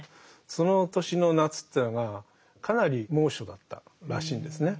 その年の夏というのがかなり猛暑だったらしいんですね。